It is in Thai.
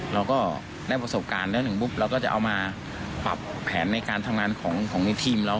เราก็ได้ประสบการณ์ได้ถึงปุ๊บเราก็จะเอามาปรับแผนในการทำงานของในทีมเรา